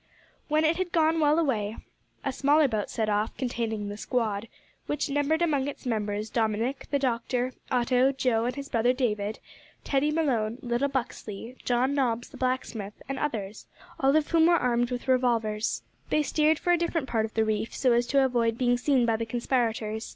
When it had got well away a smaller boat set off, containing the "squad," which numbered among its members Dominick, the doctor, Otto, Joe, and his brother David, Teddy Malone, little Buxley, John Nobbs the blacksmith, and others, all of whom were armed with revolvers. They steered for a different part of the reef, so as to avoid being seen by the conspirators.